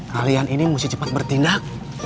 kalian ini mesti cepat bertindak